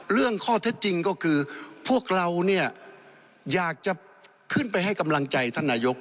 เรื่องข้อเท็จจริงก็คือพวกเราเนี่ยอยากจะขึ้นไปให้กำลังใจท่านนายก